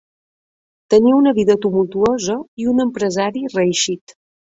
Tenia una vida tumultuosa i un empresari reeixit.